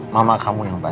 mama kamu yang baca